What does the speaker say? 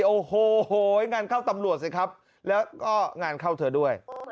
โอ้โหงานเข้าตำรวจสิครับแล้วก็งานเข้าเธอด้วย